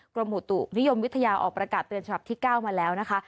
กรมอุตุนิยมวิทยาออกประกาศเตือนฉบับที่๙มาแล้วนะคะ